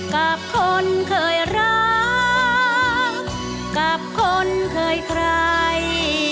กับคนเคยรักกับคนเคยใคร